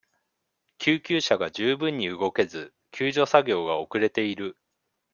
救急車が十分に動けず、救助作業が遅れている。